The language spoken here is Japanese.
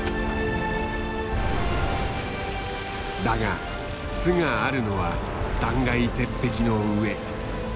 だが巣があるのは断崖絶壁の上。